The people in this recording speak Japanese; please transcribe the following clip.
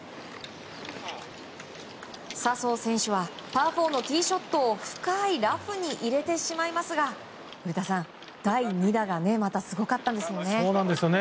笹生選手はパー４のティーショットを深いラフに入れてしまいますが古田さん、第２打がすごかったんですね。